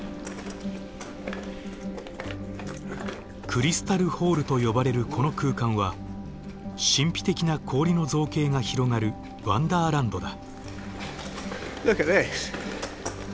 クリスタル・ホールと呼ばれるこの空間は神秘的な氷の造形が広がるワンダーランドだ。